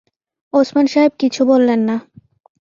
ওসমান সাহেব কিছু বললেন না।